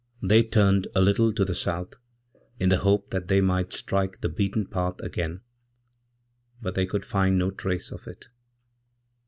They turned a little to the south, in the hope that they mightstrike the beaten path again, but they could find no trace of it.